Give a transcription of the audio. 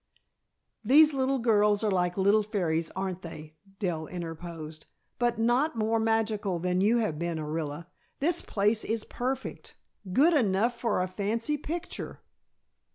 "These little girls are like fairies, aren't they?" Dell interposed. "But not more magical than you have been, Orilla. This place is perfect. Good enough for a fancy picture!"